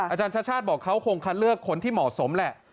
อาจารย์ชาติชาติบอกเขาคงคัดเลือกคนที่เหมาะสมแหละ